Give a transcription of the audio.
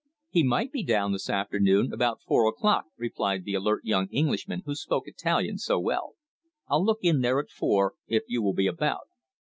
"He might be down this afternoon about four o'clock," replied the alert young Englishman who spoke Italian so well. "I'll look in there at four, if you will be about."